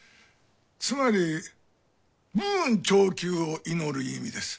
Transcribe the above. つまり武運長久を祈る意味です。